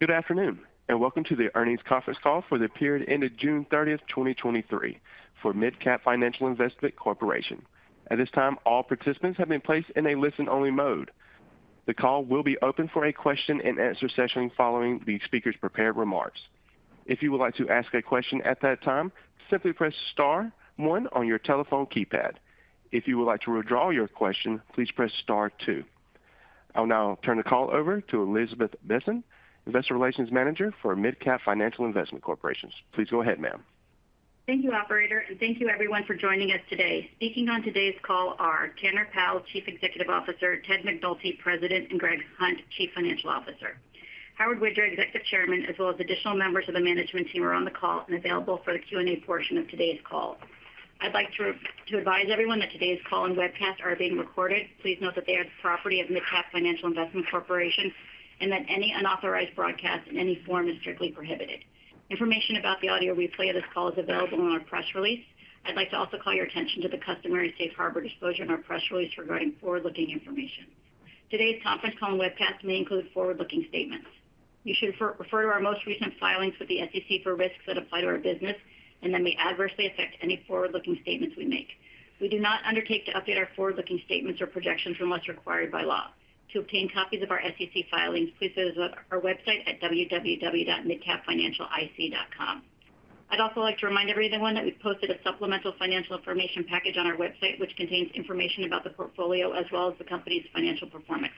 Good afternoon, and welcome to the earnings conference call for the period ended June 30, 2023 for MidCap Financial Investment Corporation. At this time, all participants have been placed in a listen-only mode. The call will be open for a question-and-answer session following the speaker's prepared remarks. If you would like to ask a question at that time, simply press star one on your telephone keypad. If you would like to withdraw your question, please press star two. I'll now turn the call over to Elizabeth Besen, Investor Relations Manager for MidCap Financial Investment Corporation. Please go ahead, ma'am. Thank you, operator, and thank you everyone for joining us today. Speaking on today's call are Tanner Powell, Chief Executive Officer, Ted McNulty, President, and Greg Hunt, Chief Financial Officer. Howard Widra, our Executive Chairman, as well as additional members of the management team, are on the call and available for the Q&A portion of today's call. I'd like to advise everyone that today's call and webcast are being recorded. Please note that they are the property of MidCap Financial Investment Corporation, and that any unauthorized broadcast in any form is strictly prohibited. Information about the audio replay of this call is available on our press release. I'd like to also call your attention to the customary safe harbor disclosure in our press release regarding forward-looking information. Today's conference call and webcast may include forward-looking statements. You should refer to our most recent filings with the SEC for risks that apply to our business and that may adversely affect any forward-looking statements we make. We do not undertake to update our forward-looking statements or projections unless required by law. To obtain copies of our SEC filings, please visit our website at www.midcapfinancialic.com. I'd also like to remind everyone that we've posted a supplemental financial information package on our website, which contains information about the portfolio as well as the company's financial performance.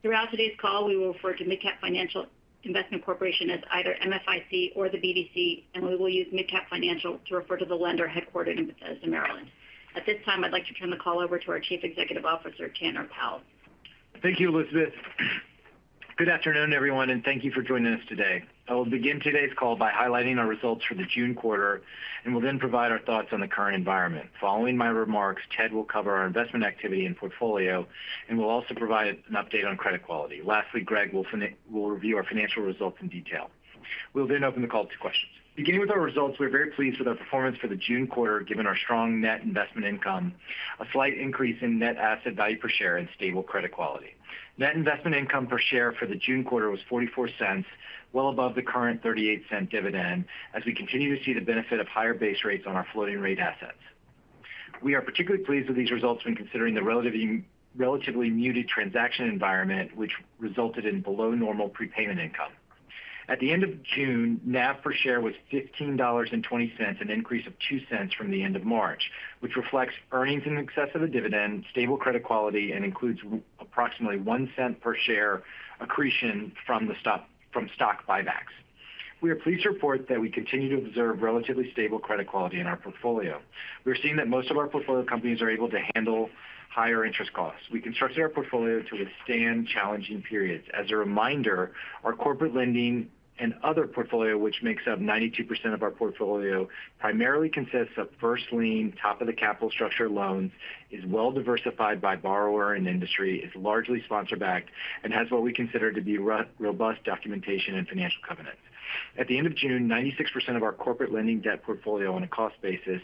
Throughout today's call, we will refer to MidCap Financial Investment Corporation as either MFIC or the BDC, and we will use MidCap Financial to refer to the lender headquartered in Bethesda, Maryland. At this time, I'd like to turn the call over to our Chief Executive Officer, Tanner Powell. Thank you, Elizabeth. Good afternoon, everyone, thank you for joining us today. I will begin today's call by highlighting our results for the June quarter, will then provide our thoughts on the current environment. Following my remarks, Ted will cover our investment activity and portfolio will also provide an update on credit quality. Lastly, Greg will review our financial results in detail. We'll open the call to questions. Beginning with our results, we're very pleased with our performance for the June quarter, given our strong net investment income, a slight increase in net asset value per share stable credit quality. Net investment income per share for the June quarter was $0.44, well above the current $0.38 dividend, as we continue to see the benefit of higher base rates on our floating-rate assets. We are particularly pleased with these results when considering the relatively muted transaction environment, which resulted in below normal prepayment income. At the end of June, NAV per share was $15.20, an increase of $0.02 from the end of March, which reflects earnings in excess of a dividend, stable credit quality, and includes approximately $0.01 per share accretion from stock buybacks. We are pleased to report that we continue to observe relatively stable credit quality in our portfolio. We're seeing that most of our portfolio companies are able to handle higher interest costs. We constructed our portfolio to withstand challenging periods. As a reminder, our corporate lending and other portfolio, which makes up 92% of our portfolio, primarily consists of first lien, top-of-the-capital structure loans, is well diversified by borrower and industry, is largely sponsor-backed, and has what we consider to be robust documentation and financial covenants. At the end of June, 96% of our corporate lending debt portfolio on a cost basis,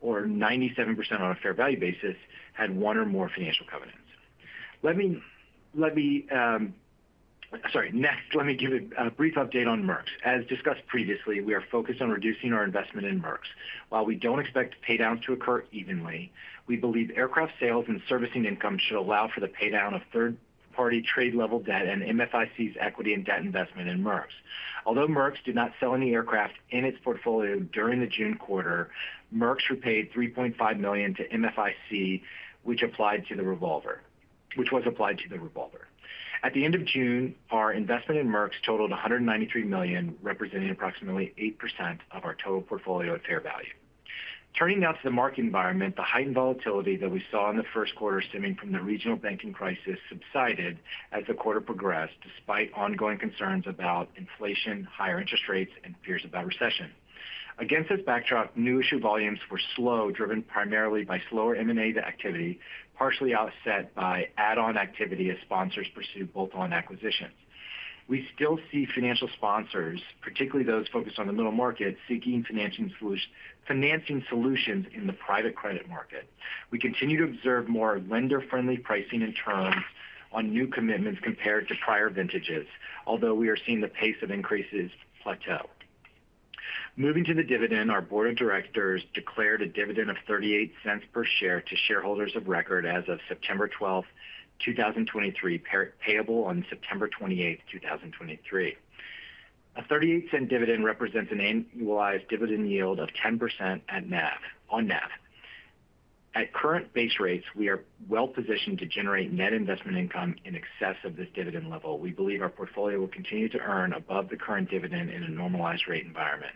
or 97% on a fair value basis, had one or more financial covenants. Next, let me give a brief update on MERX. As discussed previously, we are focused on reducing our investment in MERX. While we don't expect paydowns to occur evenly, we believe aircraft sales and servicing income should allow for the pay down of third-party trade level debt and MFIC's equity and debt investment in MERX. Although MERX did not sell any aircraft in its portfolio during the June quarter, MERX repaid $3.5 million to MFIC, which was applied to the revolver. At the end of June, our investment in MERX totaled $193 million, representing approximately 8% of our total portfolio at fair value. Turning now to the market environment, the heightened volatility that we saw in the first quarter stemming from the regional banking crisis subsided as the quarter progressed, despite ongoing concerns about inflation, higher interest rates, and fears about recession. Against this backdrop, new issue volumes were slow, driven primarily by slower M&A activity, partially offset by add-on activity as sponsors pursued bolt-on acquisitions. We still see financial sponsors, particularly those focused on the middle market, seeking financing solutions in the private credit market. We continue to observe more lender-friendly pricing and terms on new commitments compared to prior vintages, although we are seeing the pace of increases plateau. Moving to the dividend, our board of directors declared a dividend of $0.38 per share to shareholders of record as of September 12, 2023, payable on September 28, 2023. A $0.38 dividend represents an annualized dividend yield of 10% at NAV, on NAV. At current base rates, we are well positioned to generate net investment income in excess of this dividend level. We believe our portfolio will continue to earn above the current dividend in a normalized rate environment.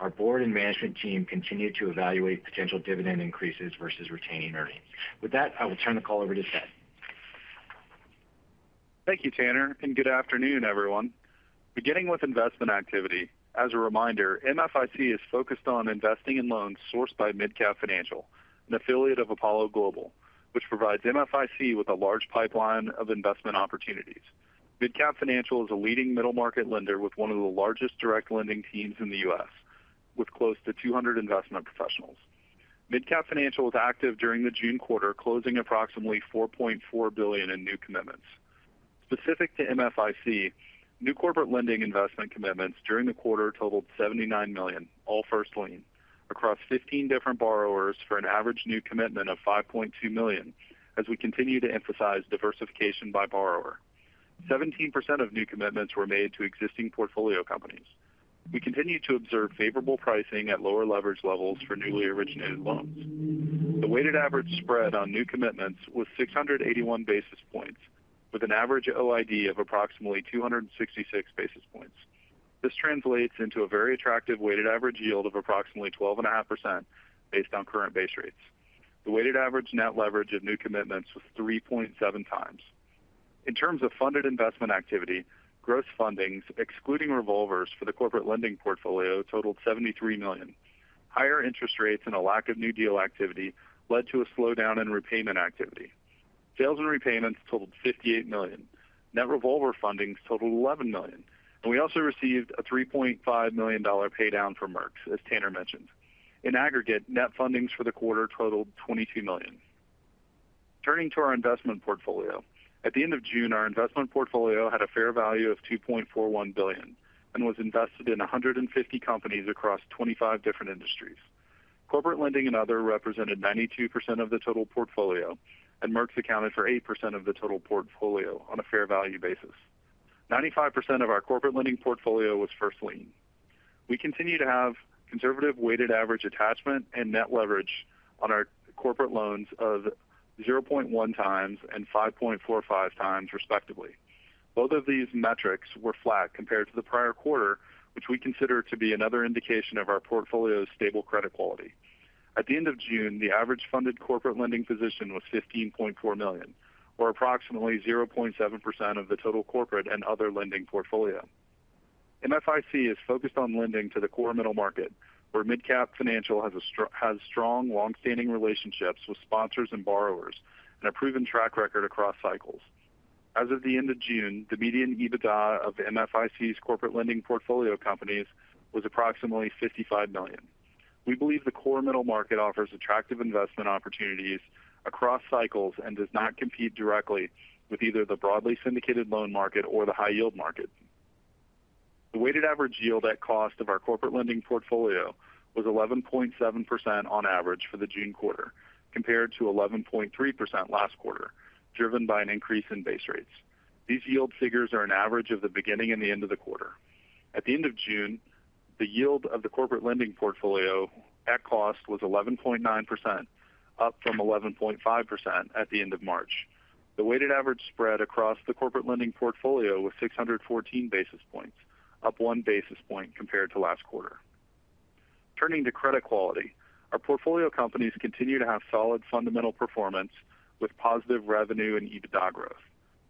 Our board and management team continue to evaluate potential dividend increases versus retaining earnings. With that, I will turn the call over to Ted. Thank you, Tanner. Good afternoon, everyone. Beginning with investment activity, as a reminder, MFIC is focused on investing in loans sourced by MidCap Financial, an affiliate of Apollo Global, which provides MFIC with a large pipeline of investment opportunities. MidCap Financial is a leading middle market lender with one of the largest direct lending teams in the U.S., with close to 200 investment professionals. MidCap Financial was active during the June quarter, closing approximately $4.4 billion in new commitments. Specific to MFIC, new corporate lending investment commitments during the quarter totaled $79 million, all first lien, across 15 different borrowers for an average new commitment of $5.2 million, as we continue to emphasize diversification by borrower. 17% of new commitments were made to existing portfolio companies. We continue to observe favorable pricing at lower leverage levels for newly originated loans. The weighted average spread on new commitments was 681 basis points, with an average OID of approximately 266 basis points. This translates into a very attractive weighted average yield of approximately 12.5% based on current base rates. The weighted average net leverage of new commitments was 3.7x. In terms of funded investment activity, gross fundings, excluding revolvers for the corporate lending portfolio, totaled $73 million. Higher interest rates and a lack of new deal activity led to a slowdown in repayment activity. Sales and repayments totaled $58 million. Net revolver fundings totaled $11 million, and we also received a $3.5 million pay down from MERX, as Tanner mentioned. In aggregate, net fundings for the quarter totaled $22 million. Turning to our investment portfolio. At the end of June, our investment portfolio had a fair value of $2.41 billion and was invested in 150 companies across 25 different industries. Corporate lending and other represented 92% of the total portfolio, and MERX accounted for 8% of the total portfolio on a fair value basis. 95% of our corporate lending portfolio was first lien. We continue to have conservative weighted average attachment and net leverage on our corporate loans of 0.1x and 5.45x, respectively. Both of these metrics were flat compared to the prior quarter, which we consider to be another indication of our portfolio's stable credit quality. At the end of June, the average funded corporate lending position was $15.4 million, or approximately 0.7% of the total corporate lending and other portfolio. MFIC is focused on lending to the core middle market, where MidCap Financial has strong, long-standing relationships with sponsors and borrowers and a proven track record across cycles. As of the end of June, the median EBITDA of MFIC's corporate lending portfolio companies was approximately $55 million. We believe the core middle market offers attractive investment opportunities across cycles and does not compete directly with either the broadly syndicated loan market or the high yield market. The weighted average yield at cost of our corporate lending portfolio was 11.7% on average for the June quarter, compared to 11.3% last quarter, driven by an increase in base rates. These yield figures are an average of the beginning and the end of the quarter. At the end of June, the yield of the corporate lending portfolio at cost was 11.9%, up from 11.5% at the end of March. The weighted average spread across the corporate lending portfolio was 614 basis points, up 1 basis point compared to last quarter. Turning to credit quality. Our portfolio companies continue to have solid fundamental performance with positive revenue and EBITDA growth.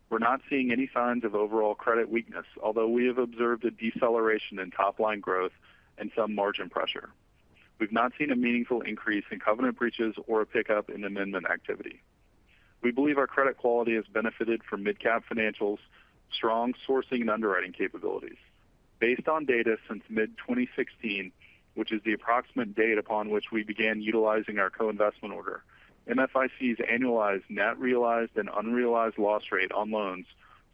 We're not seeing any signs of overall credit weakness, although we have observed a deceleration in top-line growth and some margin pressure. We've not seen a meaningful increase in covenant breaches or a pickup in amendment activity. We believe our credit quality has benefited from MidCap Financial's strong sourcing and underwriting capabilities. Based on data since mid-2016, which is the approximate date upon which we began utilizing our co-investment order, MFIC's annualized net realized and unrealized loss rate on loans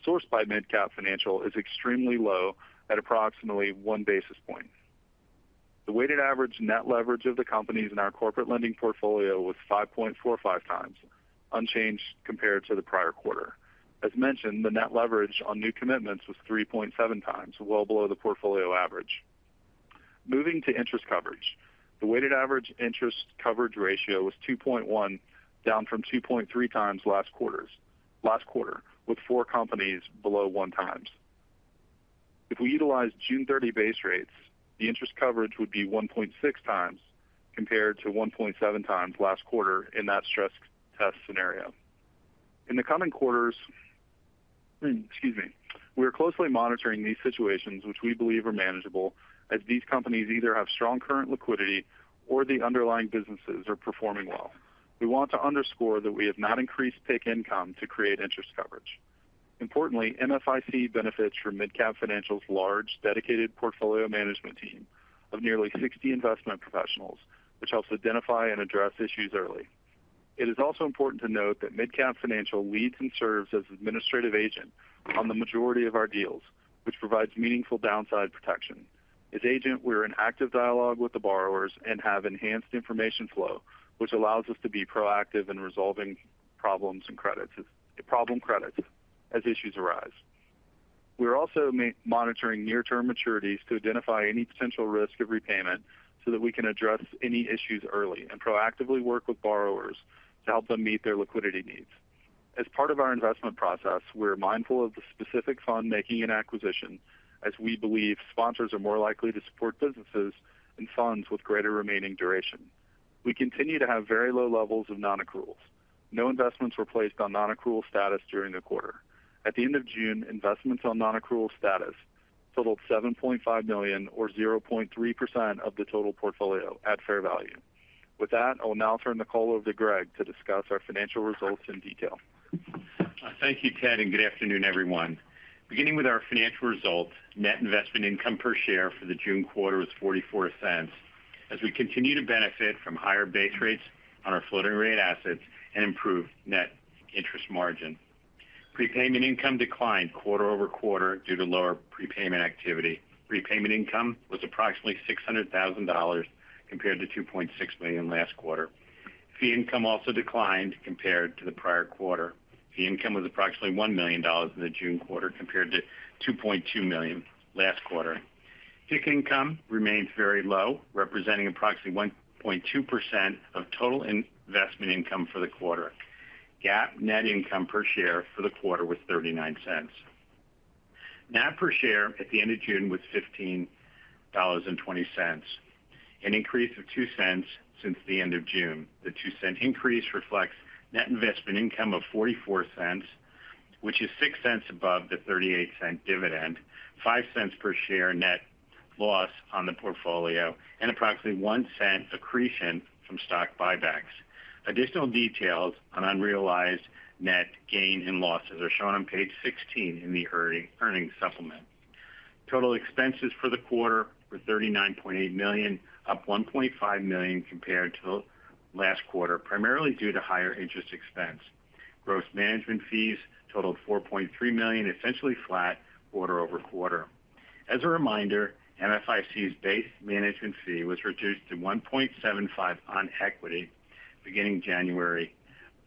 sourced by MidCap Financial is extremely low at approximately 1 basis point. The weighted average net leverage of the companies in our corporate lending portfolio was 5.45x, unchanged compared to the prior quarter. As mentioned, the net leverage on new commitments was 3.7x, well below the portfolio average. Moving to interest coverage. The weighted average interest coverage ratio was 2.1x, down from 2.3x last quarter, with four companies below 1x. If we utilize June 30 base rates, the interest coverage would be 1.6x compared to 1.7x last quarter in that stress test scenario. In the coming quarters, excuse me, we are closely monitoring these situations, which we believe are manageable, as these companies either have strong current liquidity or the underlying businesses are performing well. We want to underscore that we have not increased PIK income to create interest coverage. Importantly, MFIC benefits from MidCap Financial's large, dedicated portfolio management team of nearly 60 investment professionals, which helps identify and address issues early. It is also important to note that MidCap Financial leads and serves as administrative agent on the majority of our deals, which provides meaningful downside protection. As agent, we're in active dialogue with the borrowers and have enhanced information flow, which allows us to be proactive in resolving problems in credits, problem credits as issues arise. We are also monitoring near-term maturities to identify any potential risk of repayment, so that we can address any issues early and proactively work with borrowers to help them meet their liquidity needs. As part of our investment process, we're mindful of the specific fund making an acquisition, as we believe sponsors are more likely to support businesses and funds with greater remaining duration. We continue to have very low levels of non-accruals. No investments were placed on non-accrual status during the quarter. At the end of June, investments on non-accrual status totaled $7.5 million, or 0.3% of the total portfolio at fair value. With that, I will now turn the call over to Greg to discuss our financial results in detail. Thank you, Ted, and good afternoon, everyone. Beginning with our financial results, net investment income per share for the June quarter was $0.44, as we continue to benefit from higher base rates on our floating-rate assets and improved net interest margin. Prepayment income declined quarter-over-quarter due to lower prepayment activity. Prepayment income was approximately $600,000 compared to $2.6 million last quarter. Fee income also declined compared to the prior quarter. Fee income was approximately $1 million in the June quarter, compared to $2.2 million last quarter. Tick income remains very low, representing approximately 1.2% of total investment income for the quarter. GAAP net income per share for the quarter was $0.39. NAV per share at the end of June was $15.20, an increase of $0.02 since the end of June. The $0.02 increase reflects net investment income of $0.44, which is $0.06 above the $0.38 dividend, $0.05 per share net loss on the portfolio, and approximately $0.01 accretion from stock buybacks. Additional details on unrealized net gain and losses are shown on page 16 in the earnings supplement. Total expenses for the quarter were $39.8 million, up $1.5 million compared to last quarter, primarily due to higher interest expense. Gross management fees totaled $4.3 million, essentially flat quarter-over-quarter. As a reminder, MFIC's base management fee was reduced to 1.75% on equity beginning January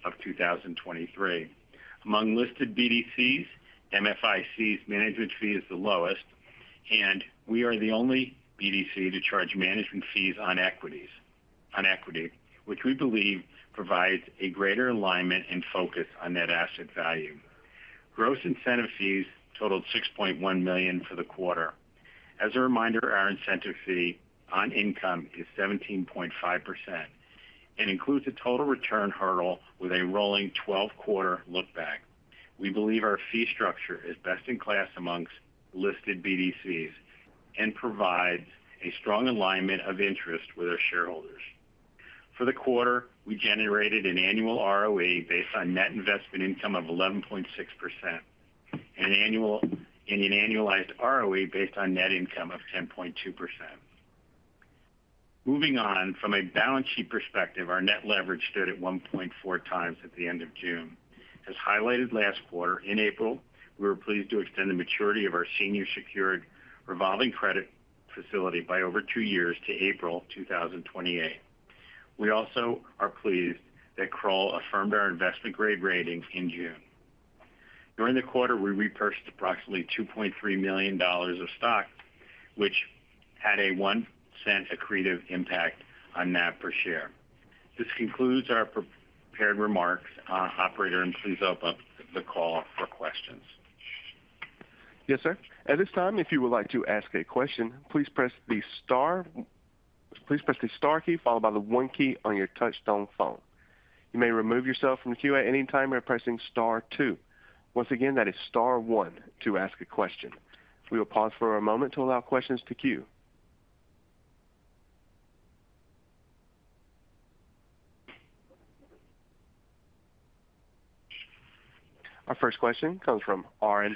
of 2023. Among listed BDCs, MFIC's management fee is the lowest, and we are the only BDC to charge management fees on equity, which we believe provides a greater alignment and focus on net asset value. Gross incentive fees totaled $6.1 million for the quarter. As a reminder, our incentive fee on income is 17.5% and includes a total return hurdle with a rolling 12-quarter look-back. We believe our fee structure is best in class amongst listed BDCs and provides a strong alignment of interest with our shareholders. For the quarter, we generated an annual ROE based on net investment income of 11.6% and an annualized ROE based on net income of 10.2%. Moving on, from a balance sheet perspective, our net leverage stood at 1.4x at the end of June. As highlighted last quarter, in April, we were pleased to extend the maturity of our senior secured revolving credit facility by over two years to April 2028. We also are pleased that Kroll affirmed our investment grade rating in June. During the quarter, we repurchased approximately $2.3 million of stock, which had a $0.01 accretive impact on NAV per share. This concludes our prepared remarks. operator, please open up the call for questions. Yes, sir. At this time, if you would like to ask a question, please press the star key followed by the one key on your touchtone phone. You may remove yourself from the queue at any time by pressing star two. Once again, that is star one to ask a question. We will pause for a moment to allow questions to queue. Our first question comes from Arren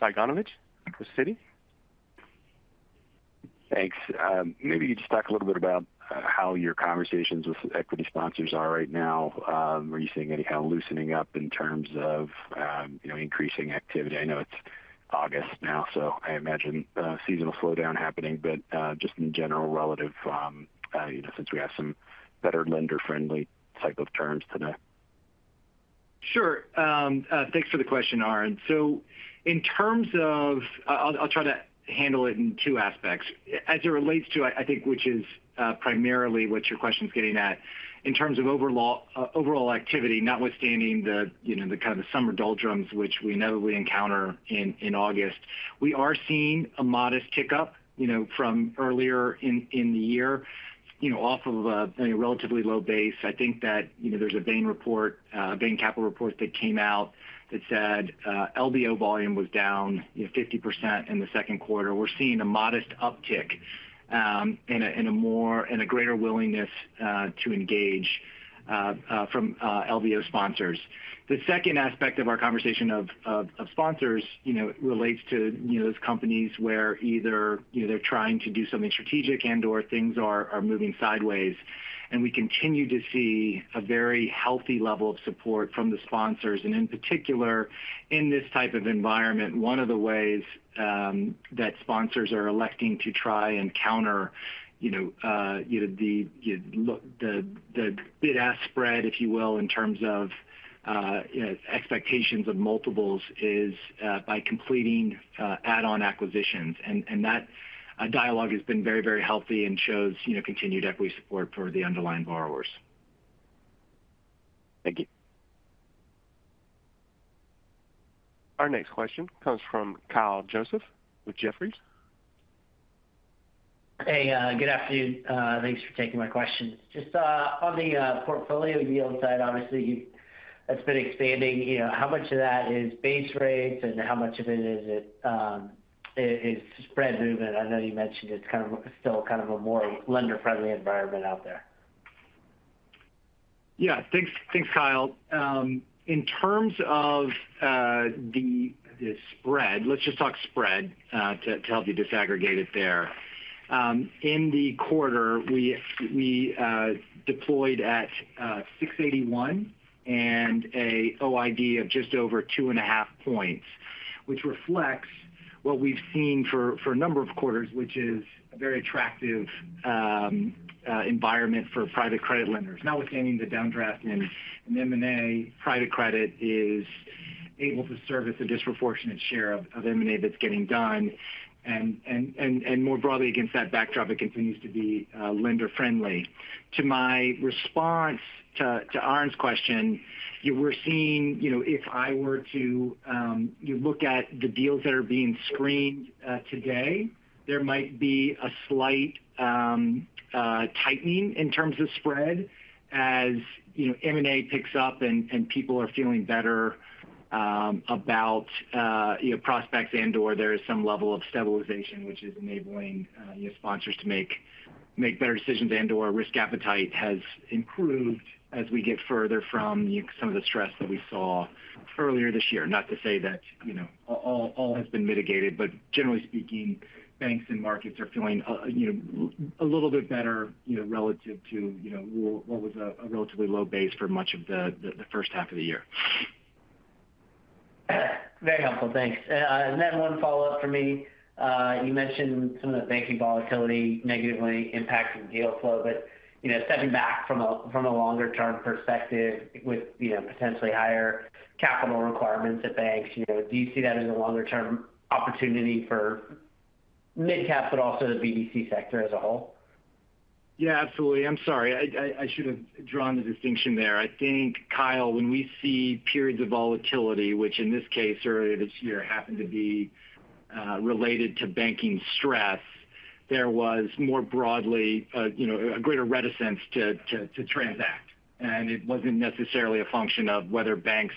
Cyganovich with Citi. Thanks. Maybe you could just talk a little bit about how your conversations with equity sponsors are right now? Are you seeing any kind of loosening up in terms of, you know, increasing activity? I know it's August now, so I imagine seasonal slowdown happening, but just in general, relative, you know, since we have some better lender-friendly cycle of terms today. Sure. Thanks for the question, Arren. In terms of, I'll try to handle it in two aspects. As it relates to, I think, which is primarily what your question is getting at, in terms of overall activity, notwithstanding the, you know, the kind of the summer doldrums which we notably encounter in, in August, we are seeing a modest tick-up, you know, from earlier in, in the year, you know, off of a, a relatively low base. I think that, you know, there's a Bain report, Bain Capital report that came out that said, LBO volume was down, you know, 50% in the second quarter. We're seeing a modest uptick, in a more and a greater willingness to engage from LBO sponsors. The second aspect of our conversation of sponsors, you know, relates to, you know, those companies where either, you know, they're trying to do something strategic and/or things are, are moving sideways. We continue to see a very healthy level of support from the sponsors. In particular, in this type of environment, one of the ways that sponsors are electing to try and counter, you know, the bid-ask spread, if you will, in terms of, you know, expectations of multiples, is by completing add-on acquisitions. That dialogue has been very, very healthy and shows, you know, continued equity support for the underlying borrowers. Thank you. Our next question comes from Kyle Joseph with Jefferies. Hey, good afternoon. Thanks for taking my questions. Just on the portfolio yield side, obviously, you've-- it's been expanding. You know, how much of that is base rates, and how much of it is, is spread movement? I know you mentioned it's kind of- still kind of a more lender-friendly environment out there. Yeah, thanks. Thanks, Kyle. In terms of the spread, let's just talk spread to, to help you disaggregate it there. In the quarter, we deployed at 681 basis points and a OID of just over 2.5 points, which reflects what we've seen for, for a number of quarters, which is a very attractive, environment for private credit lenders. Notwithstanding the downdraft in an M&A, private credit is able to service a disproportionate share of M&A that's getting done. More broadly, against that backdrop, it continues to be, lender-friendly. To my response to Arren's question, you were seeing, you know, if I were to, you look at the deals that are being screened today, there might be a slight tightening in terms of spread as, you know, M&A picks up and people are feeling better, you know, about prospects, and/or there is some level of stabilization which is enabling your sponsors to make better decisions and/or risk appetite has improved as we get further from the some of the stress that we saw earlier this year. Not to say that, you know, all, all has been mitigated, but generally speaking, banks and markets are feeling, you know, a little bit better, you know, relative to, you know, what was a relatively low base for much of the first half of the year. Very helpful. Thanks. Then one follow-up for me. You mentioned some of the banking volatility negatively impacting deal flow, but, you know, stepping back from a, from a longer-term perspective with, you know, potentially higher capital requirements at banks, you know, do you see that as a longer-term opportunity for MidCap Financial, but also the BDC sector as a whole? Absolutely. I'm sorry, I should have drawn the distinction there. I think, Kyle, when we see periods of volatility, which in this case earlier this year happened to be related to banking stress, there was more broadly, you know, a greater reticence to transact. It wasn't necessarily a function of whether banks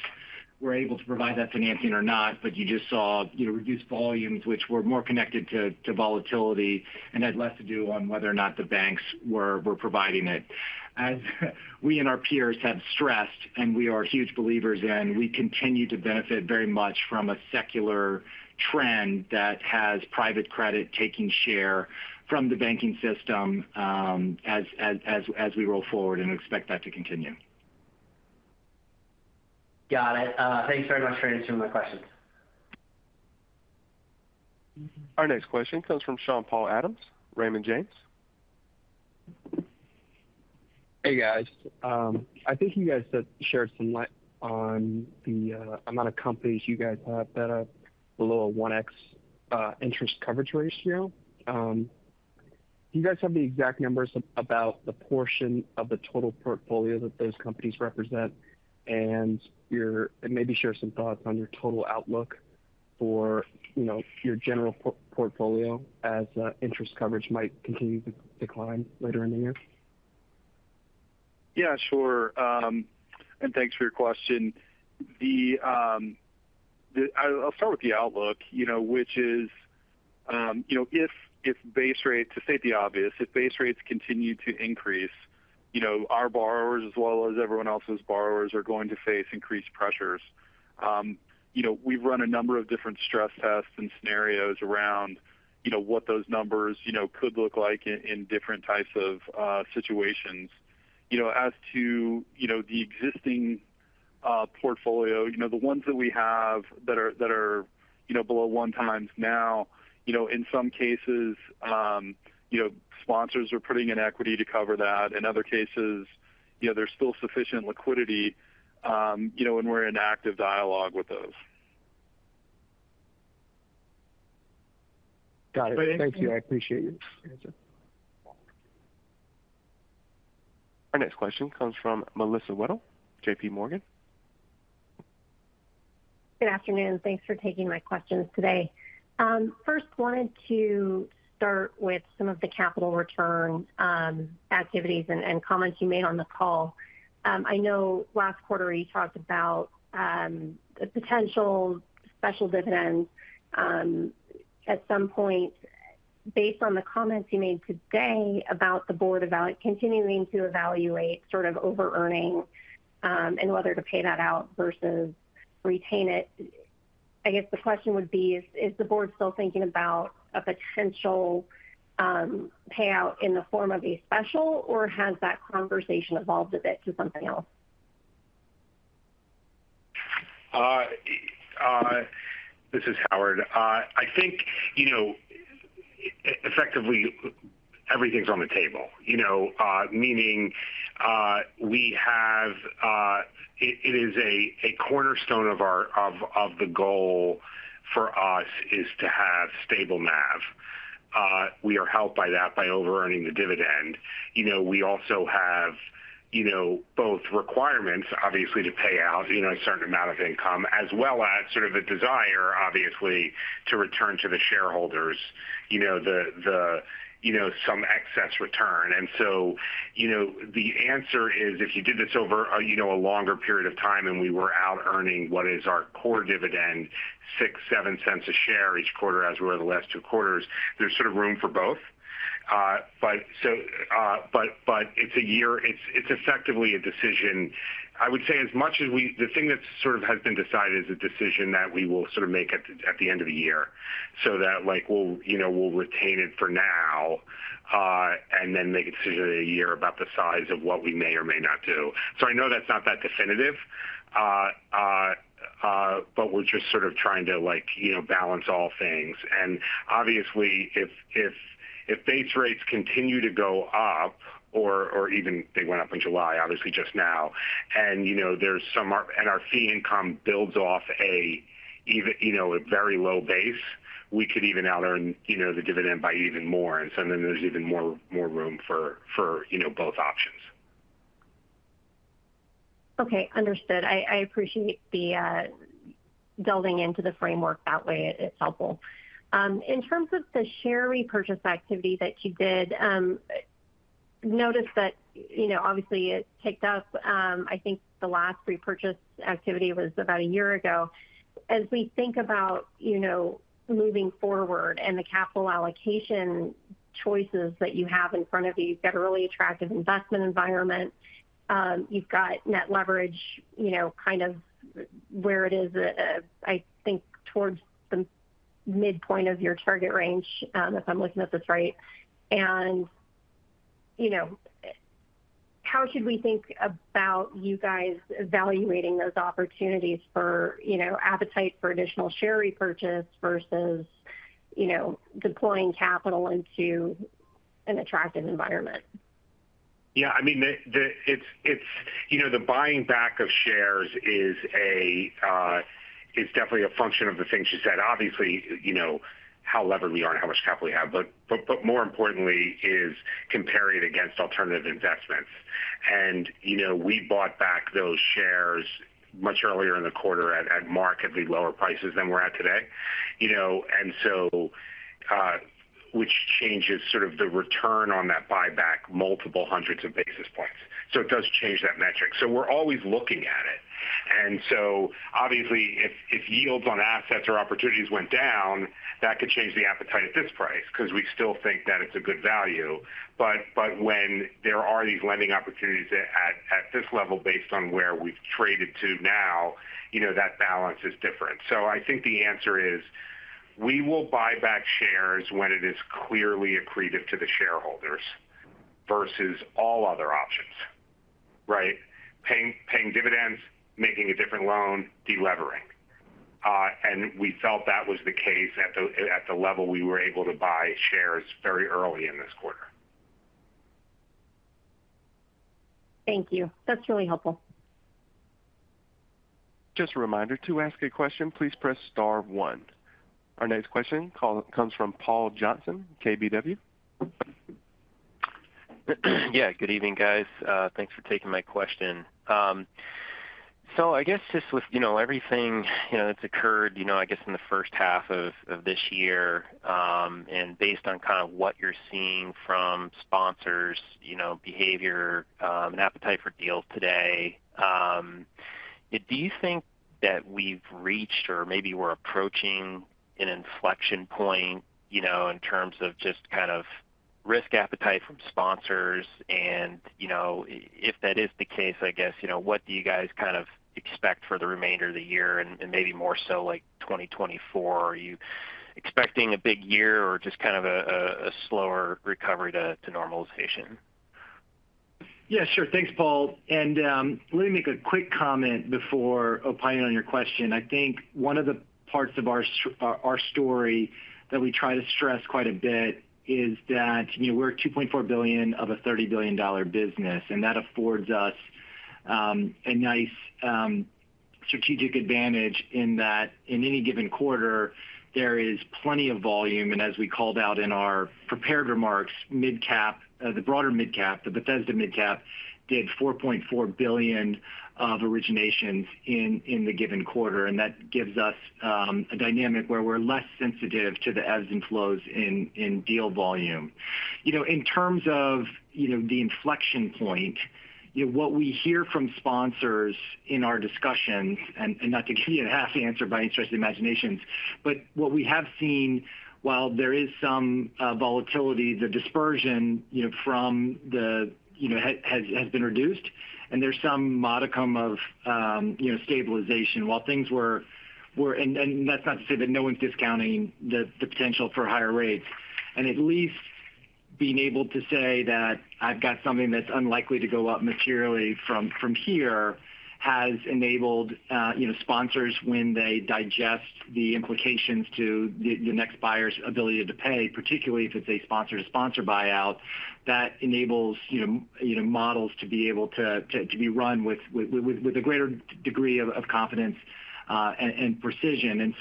were able to provide that financing or not, but you just saw, you know, reduced volumes which were more connected to, to volatility and had less to do on whether or not the banks were, were providing it. As we and our peers have stressed, and we are huge believers in, we continue to benefit very much from a secular trend that has private credit taking share from the banking system as we roll forward and expect that to continue. Got it. Thanks very much for answering my questions. Our next question comes from Sean-Paul Adams, Raymond James. Hey, guys. I think you guys shared some light on the amount of companies you guys have that are below a 1x interest coverage ratio. Do you guys have the exact numbers about the portion of the total portfolio that those companies represent? Maybe share some thoughts on your total outlook for, you know, your general portfolio as interest coverage might continue to decline later in the year. Yeah, sure. Thanks for your question. I'll start with the outlook, you know, which is, you know, if, if base rates, to state the obvious, if base rates continue to increase, you know, our borrowers, as well as everyone else's borrowers, are going to face increased pressures. You know, we've run a number of different stress tests and scenarios around, you know, what those numbers, you know, could look like in, in different types of situations. You know, as to, you know, the existing portfolio, you know, the ones that we have that are, that are, you know, below 1x now, you know, in some cases, you know, sponsors are putting in equity to cover that. In other cases, you know, there's still sufficient liquidity, you know, and we're in active dialogue with those. Got it. Thank you. Thank you. I appreciate it. Our next question comes from Melissa Wedel, JPMorgan. Good afternoon. Thanks for taking my questions today. First, wanted to start with some of the capital return activities and comments you made on the call. I know last quarter you talked about a potential special dividend at some point. Based on the comments you made today about the board continuing to evaluate sort of overearning and whether to pay that out versus retain it, I guess the question would be: is, is the board still thinking about a potential payout in the form of a special, or has that conversation evolved a bit to something else? This is Howard. I think, you know, effectively, everything's on the table. You know, meaning, we have... It is a cornerstone of our goal for us is to have stable NAV. We are helped by that by overearning the dividend. You know, we also have, you know, both requirements, obviously, to pay out, you know, a certain amount of income, as well as sort of a desire, obviously, to return to the shareholders, you know, the, the, you know, some excess return. So, you know, the answer is, if you did this over a, you know, a longer period of time and we were out earning what is our core dividend, $0.06, $0.07 a share each quarter, as were the last two quarters, there's sort of room for both. But, but it's a year-- it's, it's effectively a decision. I would say as much as the thing that sort of has been decided is a decision that we will sort of make at the end of the year. That, like, we'll, you know, we'll retain it for now, and then make a decision in a year about the size of what we may or may not do. I know that's not that definitive, but we're just sort of trying to like, you know, balance all things. Obviously, if, if, if base rates continue to go up or, or even they went up in July, obviously just now, and, you know, and our fee income builds off even, you know, a very low base, we could even out earn, you know, the dividend by even more, so then there's even more, more room for, for, you know, both options. Okay, understood. I appreciate the delving into the framework that way. It's helpful. In terms of the share repurchase activity that you did, noticed that, you know, obviously it picked up, I think the last repurchase activity was about a year ago. As we think about, you know, moving forward and the capital allocation choices that you have in front of you, you've got a really attractive investment environment. You've got net leverage, you know, kind of where it is, I think towards the midpoint of your target range, if I'm looking at this right. You know, how should we think about you guys evaluating those opportunities for, you know, appetite for additional share repurchase versus, you know, deploying capital into an attractive environment? Yeah, I mean, you know, the buying back of shares is a, is definitely a function of the things you said. Obviously, you know, how levered we are and how much capital we have, but more importantly, is comparing it against alternative investments. You know, we bought back those shares much earlier in the quarter at markedly lower prices than we're at today. You know, which changes sort of the return on that buyback multiple hundreds of basis points. It does change that metric. We're always looking at it. Obviously, if yields on assets or opportunities went down, that could change the appetite at this price because we still think that it's a good value. When there are these lending opportunities at, at, at this level, based on where we've traded to now, you know, that balance is different. I think the answer is, we will buy back shares when it is clearly accretive to the shareholders versus all other options, right? Paying, paying dividends, making a different loan, delevering. And we felt that was the case at the, at the level we were able to buy shares very early in this quarter. Thank you. That's really helpful. Just a reminder, to ask a question, please press star one. Our next question call comes from Paul Johnson, KBW. Yeah, good evening, guys. Thanks for taking my question. I guess just with, you know, everything, you know, that's occurred, you know, I guess in the first half of this year, and based on kind of what you're seeing from sponsors, you know, behavior, and appetite for deals today, do you think that we've reached or maybe we're approaching an inflection point, you know, in terms of just kind of risk appetite from sponsors? You know, if that is the case, I guess, you know, what do you guys kind of expect for the remainder of the year and, and maybe more so like 2024? Are you expecting a big year or just kind of a, a, a slower recovery to, to normalization? Yeah, sure. Thanks, Paul. Let me make a quick comment before opining on your question. I think one of the parts of our story that we try to stress quite a bit is that, you know, we're $2.4 billion of a $30 billion business, and that affords us a nice strategic advantage in that in any given quarter, there is plenty of volume. As we called out in our prepared remarks, MidCap Financial, the broader MidCap Financial, the Bethesda MidCap Financial, did $4.4 billion of originations in, in the given quarter, and that gives us a dynamic where we're less sensitive to the ebbs and flows in deal volume. You know, in terms of, you know, the inflection point, you know, what we hear from sponsors in our discussions, and not to give you a half answer by any stretch of the imaginations, but what we have seen, while there is some volatility, the dispersion, you know, from the, you know, has been reduced, and there's some modicum of, you know, stabilization. While things were, and that's not to say that no one's discounting the potential for higher rates. At least being able to say that I've got something that's unlikely to go up materially from, from here has enabled, you know, sponsors when they digest the implications to the, the next buyer's ability to pay, particularly if it's a sponsor-to-sponsor buyout, that enables, you know, you know, models to be able to be run with a greater degree of confidence, and precision.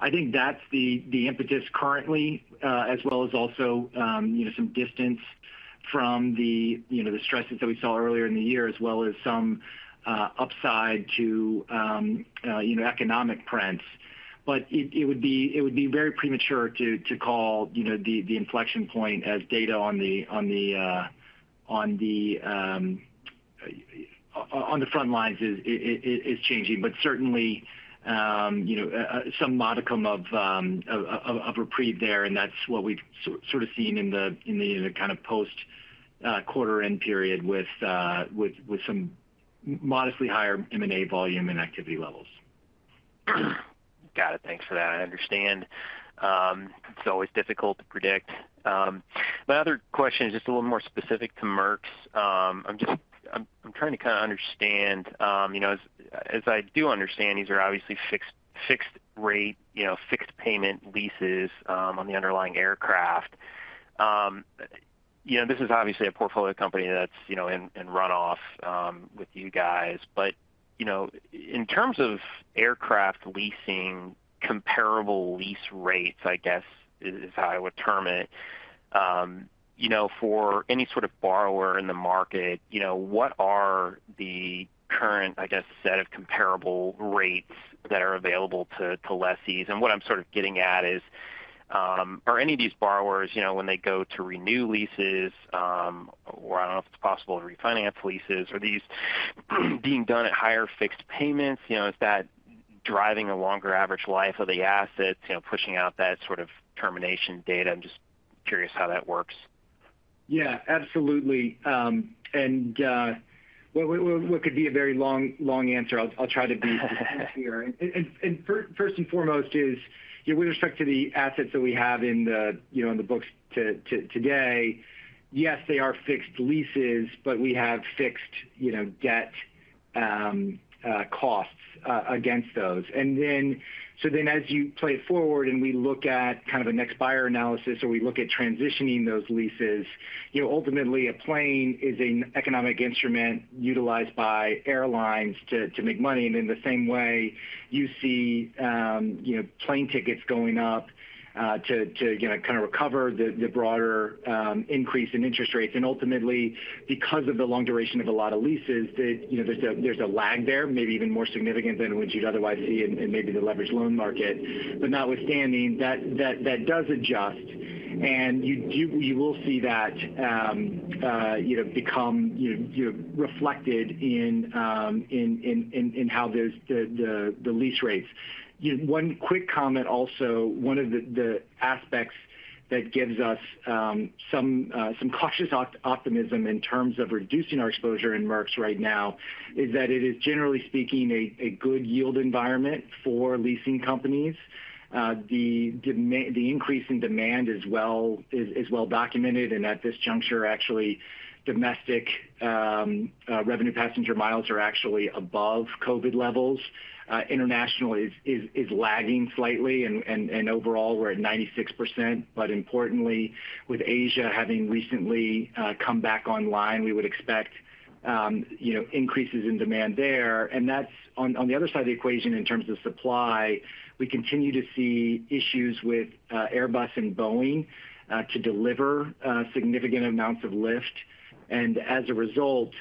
I think that's the impetus currently, as well as also, you know, some distance from the, you know, the stresses that we saw earlier in the year, as well as some upside to, you know, economic trends. It, it would be, it would be very premature to, to call, you know, the, the inflection point as data on the, on the, on the, you know, on the front lines is, is, is, is changing, but certainly, you know, some modicum of, of, of, of, of reprieve there, and that's what we've sort of seen in the kind of post, quarter end period with, with, with some modestly higher M&A volume and activity levels. Got it. Thanks for that. I understand, it's always difficult to predict. My other question is just a little more specific to MERX. I'm, I'm trying to kind of understand, you know, as, as I do understand, these are obviously fixed, fixed rate, you know, fixed payment leases on the underlying aircraft. You know, this is obviously a portfolio company that's, you know, in, in runoff with you guys. You know, in terms of aircraft leasing, comparable lease rates, I guess, is how I would term it. You know, for any sort of borrower in the market, what are the current, I guess, set of comparable rates that are available to, to lessees? What I'm sort of getting at is, are any of these borrowers, you know, when they go to renew leases, or I don't know if it's possible to refinance leases, are these being done at higher fixed payments? You know, is that driving a longer average life of the assets, you know, pushing out that sort of termination date? I'm just curious how that works. Yeah, absolutely. Well, well, well, what could be a very long, long answer, I'll try to be succinct here. And first and foremost is, you know, with respect to the assets that we have in the, you know, in the books today, yes, they are fixed leases, but we have fixed, you know, debt, costs against those. So then as you play it forward and we look at kind of a next buyer analysis, or we look at transitioning those leases, you know, ultimately, a plane is an economic instrument utilized by airlines to, to make money. In the same way, you see, you know, plane tickets going up, to, to, you know, kind of recover the, the broader, increase in interest rates. Ultimately, because of the long duration of a lot of leases, the, you know, there's a, there's a lag there, maybe even more significant than what you'd otherwise see in, in maybe the leveraged loan market. Notwithstanding, that, that, that does adjust, and you will see that, you know, become, you know, reflected in how those the, the, the lease rates. One quick comment also, one of the, the aspects that gives us, some, some cautious opt- optimism in terms of reducing our exposure in MERX right now, is that it is, generally speaking, a, a good yield environment for leasing companies. The increase in demand is well, is, is well documented, and at this juncture, actually, domestic, revenue passenger miles are actually above COVID levels. International is, is, is lagging slightly, and overall, we're at 96%. Importantly, with Asia having recently come back online, we would expect, you know, increases in demand there. On, on the other side of the equation, in terms of supply, we continue to see issues with Airbus and Boeing to deliver significant amounts of lift. As a result,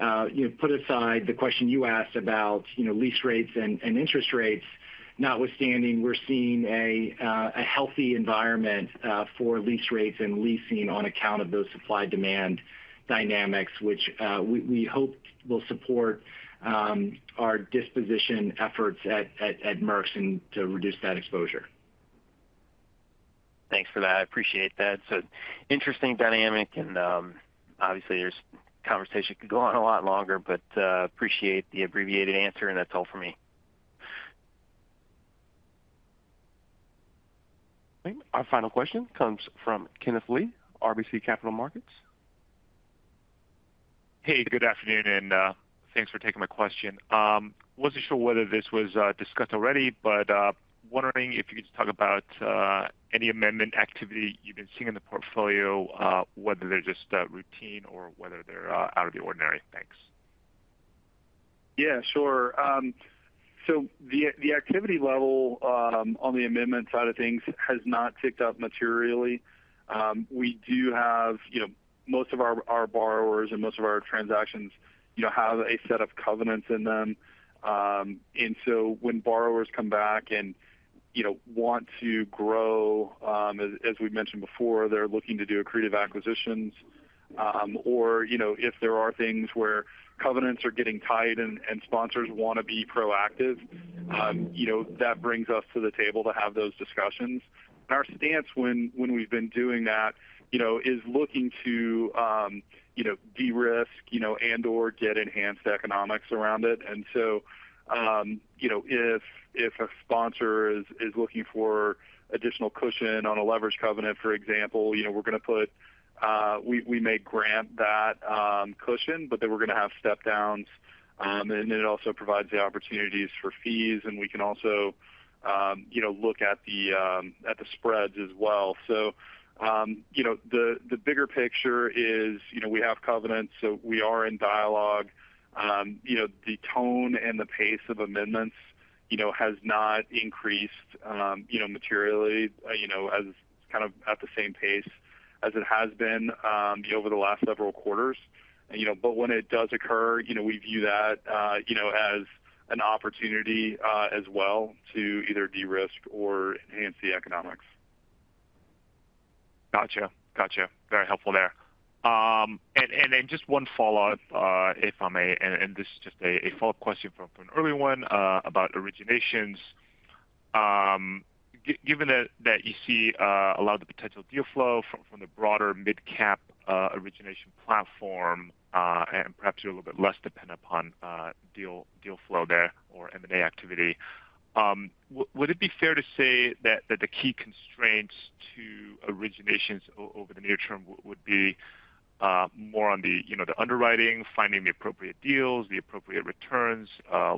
you know, put aside the question you asked about, you know, lease rates and interest rates. Notwithstanding, we're seeing a healthy environment for lease rates and leasing on account of those supply-demand dynamics, which we, we hope will support our disposition efforts at MERX and to reduce that exposure. Thanks for that. I appreciate that. It's an interesting dynamic, and, obviously, this conversation could go on a lot longer, but, appreciate the abbreviated answer, and that's all for me. Great. Our final question comes from Kenneth Lee, RBC Capital Markets. Hey, good afternoon, and thanks for taking my question. Wasn't sure whether this was discussed already, but wondering if you could just talk about any amendment activity you've been seeing in the portfolio, whether they're just routine or whether they're out of the ordinary. Thanks. Yeah, sure. The activity level on the amendment side of things has not ticked up materially. We do have, you know, most of our borrowers and most of our transactions, you know, have a set of covenants in them. When borrowers come back and, you know, want to grow, as we've mentioned before, they're looking to do accretive acquisitions, or, you know, if there are things where covenants are getting tight and sponsors want to be proactive, you know, that brings us to the table to have those discussions. Our stance when, when we've been doing that, you know, is looking to, you know, de-risk, you know, and/or get enhanced economics around it. You know, if, if a sponsor is, is looking for additional cushion on a leverage covenant, for example, you know, we're going to put-- we, we may grant that cushion, but then we're going to have step downs. It also provides the opportunities for fees, and we can also, you know, look at the at the spreads as well. You know, the, the bigger picture is, you know, we have covenants, so we are in dialogue. You know, the tone and the pace of amendments, you know, has not increased, materially, you know, as kind of at the same pace as it has been over the last several quarters. When it does occur, you know, we view that, you know, as an opportunity, as well to either de-risk or enhance the economics. Gotcha. Gotcha. Very helpful there. And, and then just one follow-up, if I may, and, and this is just a, a follow-up question from, from an early one, about originations. Given that, that you see a lot of the potential deal flow from, from the broader MidCap origination platform, and perhaps you're a little bit less dependent upon deal, deal flow there or M&A activity. Would it be fair to say that, that the key constraints to originations over the near term would be more on the, you know, the underwriting, finding the appropriate deals, the appropriate returns,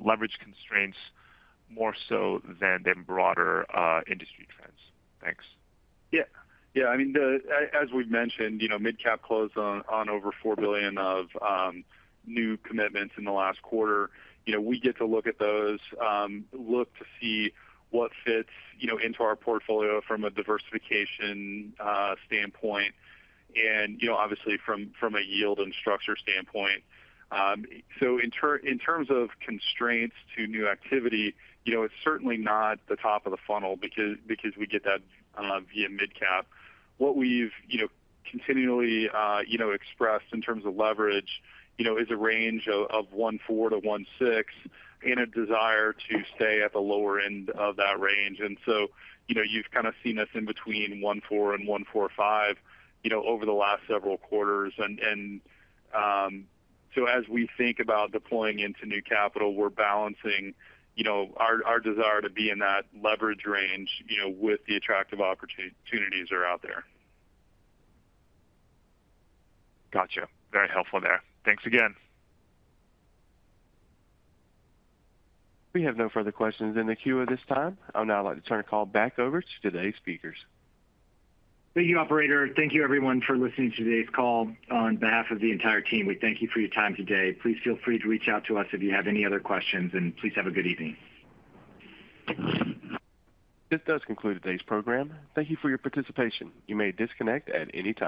leverage constraints, more so than the broader industry trends? Thanks. Yeah. Yeah. I mean, as we've mentioned, you know, MidCap closed on, on over $4 billion of new commitments in the last quarter. You know, we get to look at those, look to see what fits, you know, into our portfolio from a diversification standpoint, and, you know, obviously from, from a yield and structure standpoint. In terms of constraints to new activity, you know, it's certainly not the top of the funnel, because, because we get that via MidCap. What we've, you know, continually, you know, expressed in terms of leverage, you know, is a range of 1.4x-1.6x, and a desire to stay at the lower end of that range. So, you know, you've kind of seen us in between 1.4x and 1.45x, you know, over the last several quarters. And so as we think about deploying into new capital, we're balancing, you know, our, our desire to be in that leverage range, you know, with the attractive opportunities that are out there. Gotcha. Very helpful there. Thanks again. We have no further questions in the queue at this time. I would now like to turn the call back over to today's speakers. Thank you, operator. Thank you, everyone, for listening to today's call. On behalf of the entire team, we thank you for your time today. Please feel free to reach out to us if you have any other questions. Please have a good evening. This does conclude today's program. Thank you for your participation. You may disconnect at any time.